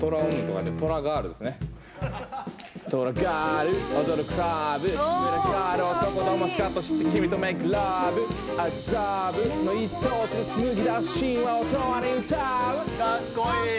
かっこいい！